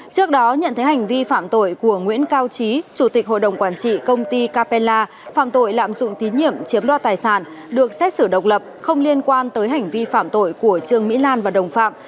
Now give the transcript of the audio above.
trước đó nhận thấy hành vi phạm tội của nguyễn cao trí chủ tịch hội đồng quản trị công ty capella phạm tội lạm dụng tín nhiệm chiếm đo tài sản được xét xử độc lập không liên quan tới hành vi phạm tội của trương mỹ lan và đồng phạm